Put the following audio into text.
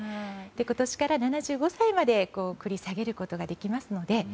今年から７５歳まで繰り下げることができますので。